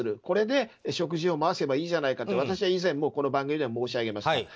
これで、食事を回せばいいじゃないかと私は以前この番組でも申し上げました。